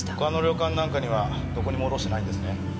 他の旅館なんかにはどこにも卸してないんですね？